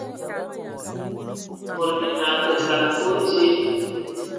Mod minal, tə kad e foe dzie.